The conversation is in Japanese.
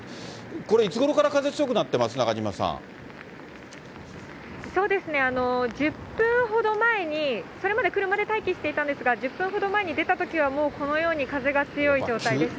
これ、いつごろから風、強くなっそうですね、１０分ほど前に、それまで車で待機してたんですが、１０分ほど前に出たときには、もうこのように風が強い状態でした。